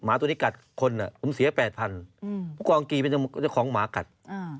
ตัวนี้กัดคนอ่ะผมเสียแปดพันอืมผู้กองตีเป็นเจ้าของหมากัดอ่า